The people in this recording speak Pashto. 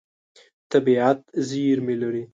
طبیعت زېرمې لري.